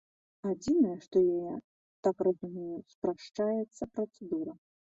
Адзінае, што, я так разумею, спрашчаецца працэдура.